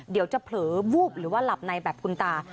เดี๋ยวจะเผลอวูบหรือว่าหลับในแบบคุณตา